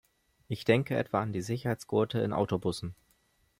Ich denke etwa an die Sicherheitsgurte in Autobussen.